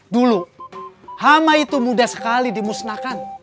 dulu hama itu mudah sekali dimusnahkan